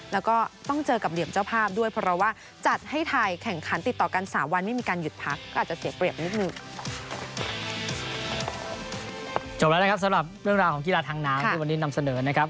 แล้วนะครับสำหรับเรื่องราวของกีฬาทางน้ำที่วันนี้นำเสนอนะครับ